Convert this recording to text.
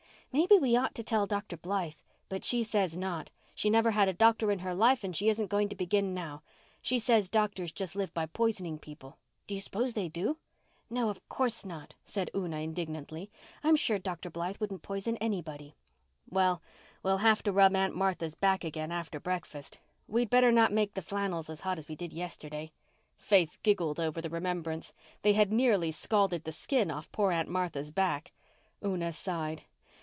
Maybe we ought to tell Dr. Blythe. But she says not—she never had a doctor in her life and she isn't going to begin now. She says doctors just live by poisoning people. Do you suppose they do?" "No, of course not," said Una indignantly. "I'm sure Dr. Blythe wouldn't poison anybody." "Well, we'll have to rub Aunt Martha's back again after breakfast. We'd better not make the flannels as hot as we did yesterday." Faith giggled over the remembrance. They had nearly scalded the skin off poor Aunt Martha's back. Una sighed.